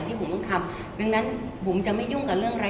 พี่ห่วงจริงนะครับเอ้าถามต่อได้ค่ะอะไรนะครับ